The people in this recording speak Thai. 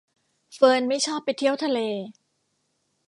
เฟิร์นไม่ชอบไปเที่ยวทะเล